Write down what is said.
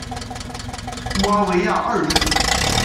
穆阿维亚二世。